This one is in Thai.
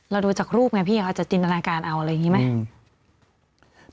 ดูจากรูปไงพี่เขาอาจจะจินตนาการเอาอะไรอย่างนี้ไหม